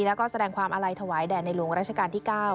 แล้วก็แสดงความอาลัยถวายแด่ในหลวงราชการที่๙